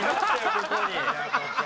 ここに。